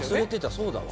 そうだわ。